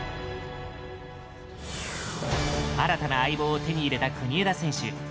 新たな相棒を手に入れた国枝選手。